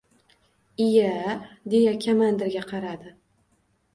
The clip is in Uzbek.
— Iya! — deya komandirga qaradi.